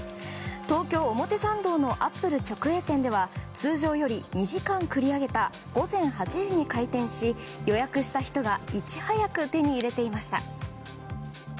東京・表参道のアップル直営店では通常より２時間繰り上げた午前８時に開店し予約した人がいち早く手に入れていました。